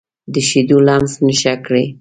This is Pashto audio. د شیدو لمس نشه کړي